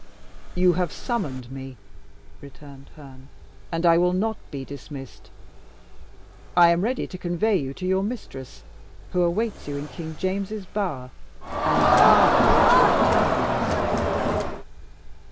"You have summoned me," returned Herne; "and I will not be dismissed. I am ready to convey you to your mistress, who awaits you in King James's bower, and marvels at your tardiness."